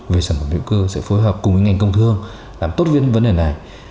về sản phẩm hữu cơ sẽ phối hợp cùng với ngành công thương làm tốt viên vấn đề này